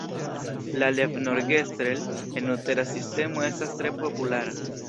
La "levnorgestrel"-enutera sistemo estas tre populara.